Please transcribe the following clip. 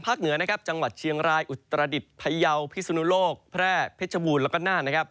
ภาคเหนือจังหวัดเชียงรายอุตรดิตไพเยาพิสุนโลกแพร่เพชบูรณ์แล้วก็น่าน